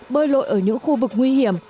bơi lội ở những khu vực nguy hiểm